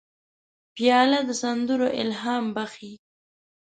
پیاله د سندرو الهام بخښي.